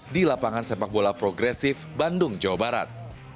di lapangan sepak bola progresif bandung jawa barat